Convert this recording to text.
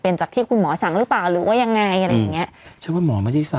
เป็นจากที่คุณหมอสั่งหรือเปล่าหรือว่ายังไงอะไรอย่างเงี้ยฉันว่าหมอไม่ได้สั่ง